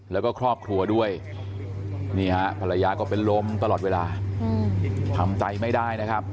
แล้วก็ครอบครัวด้วยนี่ฮะภรรยาก็เป็นลมตลอดเวลาทำใจไม่ได้นะครับ